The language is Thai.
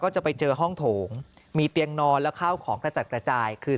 จะไปเจอห้องโถงมีเตียงนอนแล้วข้าวของกระจัดกระจายคือ